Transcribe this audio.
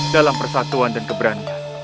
dalam persatuan dan keberanian